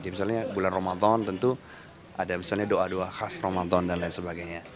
misalnya bulan ramadan tentu ada misalnya doa doa khas ramadan dan lain sebagainya